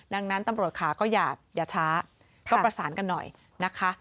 ดังนั้นตำรวจค่ะก็อย่าช้าก็ประสานกันหน่อยนะคะ